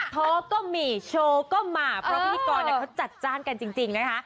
ท้อก็มีโชว์ก็มาเพราะพิธีกรเขาจัดจ้านกันจริงนะคะ